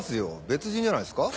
別人じゃないっすか？